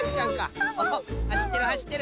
はしってるはしってる。